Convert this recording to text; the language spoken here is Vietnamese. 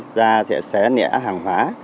ra sẽ xé nẻ hàng hóa